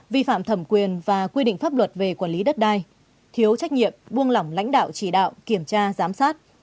vi phạm thẩm quyền và quy định pháp luật về quản lý đất đai thiếu trách nhiệm buông lỏng lãnh đạo chỉ đạo kiểm tra giám sát